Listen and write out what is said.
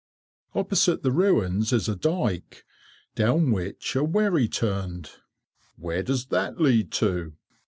Opposite the ruins is a dyke, down which a wherry turned. "Where does that lead to?"